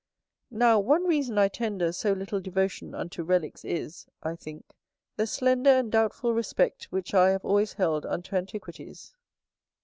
Now, one reason I tender so little devotion unto relicks is, I think the slender and doubtful respect which I have always held unto antiquities.